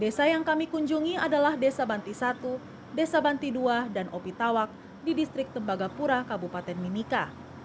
desa yang kami kunjungi adalah desa banti satu desa banti dua dan opi tawak di distrik tembagapura kabupaten mimika